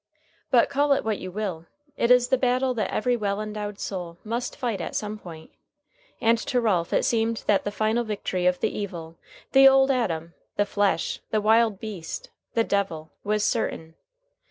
But call it what you will, it is the battle that every well endowed soul must fight at some point. And to Ralph it seemed that the final victory of the Evil, the Old Adam, the Flesh, the Wild Beast, the Devil, was certain.